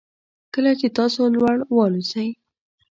کله چې تاسو لوړ والوځئ